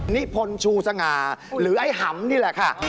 นิพลชูสง่าหรือไอ้หำนี่แหละค่ะ